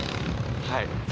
はい。